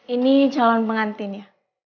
ini calon pengantin ya